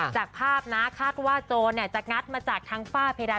จากภาพนะคาดว่าโจรจะงัดมาจากทางฝ้าเพดาน